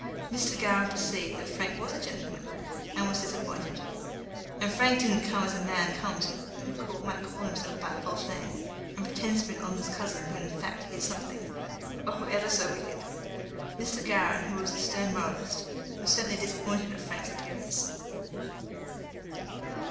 Mr. Gowran perceived that Frank was a gentleman, and was disappointed. And Frank didn't come as a man comes who calls himself by a false name, and pretends to be an honest cousin when in fact he is something, oh, ever so wicked! Mr. Gowran, who was a stern moralist, was certainly disappointed at Frank's appearance.